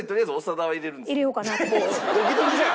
もうドキドキじゃん。